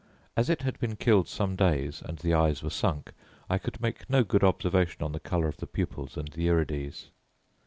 As it had been killed some days, and the eyes were sunk, I could make no good observation on the colour of the pupils and the irides.